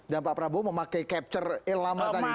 dan pak prabowo memakai capture lama tadi